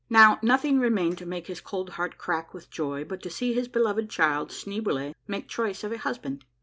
Now nothing remained to make his cold heart crack with joy but to see his beloved child Schneeboule make choice of a husband.